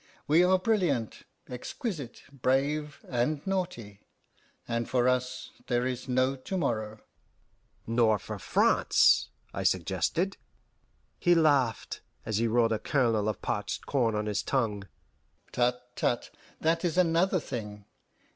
We are brilliant, exquisite, brave, and naughty; and for us there is no to morrow." "Nor for France," I suggested. He laughed, as he rolled a kernel of parched corn on his tongue. "Tut, tut! that is another thing.